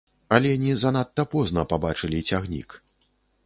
Алені занадта позна пабачылі цягнік.